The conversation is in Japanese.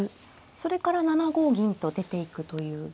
それから７五銀と出ていくという。